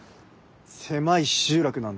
狭い集落なんで。